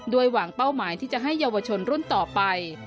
หวังเป้าหมายที่จะให้เยาวชนรุ่นต่อไป